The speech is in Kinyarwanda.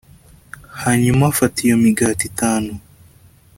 hanyuma afata iyo migati itanu .